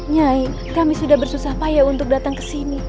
nyai kami sudah bersusah payah untuk datang ke sini